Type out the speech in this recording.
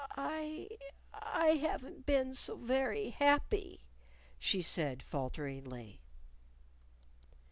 "I I haven't been so very happy," she said falteringly.